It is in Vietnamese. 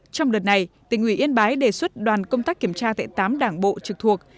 trong đợt này tỉnh ủy yên bái đề xuất đoàn công tác kiểm tra tại tám đảng bộ trực thuộc